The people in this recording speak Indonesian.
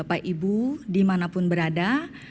bapak ibu dimanapun berada